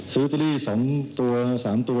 ซื้อตรีล๒ตัว๓ตัว